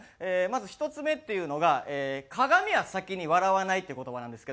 まず１つ目っていうのが「鏡は先に笑わない」っていう言葉なんですけど。